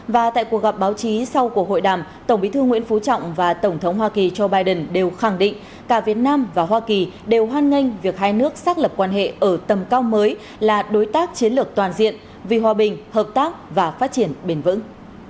và tại cuộc gặp báo chí sau cuộc hội đàm tổng bí thư nguyễn phú trọng và tổng thống hoa kỳ joe biden đều khẳng định cả việt nam và hoa kỳ đều hoan nghênh việc hai nước xác lập quan hệ ở tầm cao mới là đối tác chiến lược toàn diện vì hòa bình hợp tác và phát triển bền vững